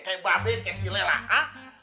kayak mbak be kayak si lela ah